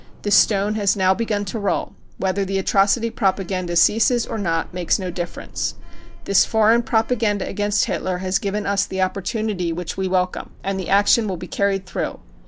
The stone has now begun to roll ; whether the atrocity propaganda ceases or not makes no difference. THE PERSECUTION OF JEWS 259 This foreign propaganda against Hitler has given ns the opportunity which we welcome, and the action will be carried through.